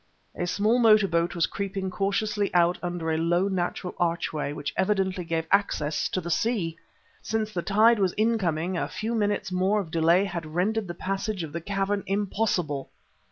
A small motor boat was creeping cautiously out under a low, natural archway which evidently gave access to the sea! Since the tide was incoming, a few minutes more of delay had rendered the passage of the cavern impossible....